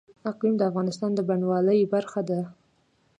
اقلیم د افغانستان د بڼوالۍ برخه ده.